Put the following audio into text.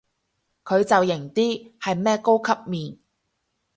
佢就型啲，係咩高級面